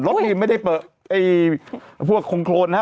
รถนี่ไม่ได้เปิดไอ้พวกคงโครนนะครับ